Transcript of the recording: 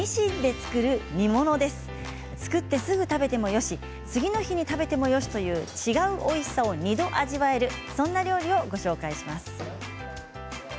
作ってすぐ食べてもよし次の日に食べてもよしという違うおいしさを２度味わえるそんな料理をご紹介します。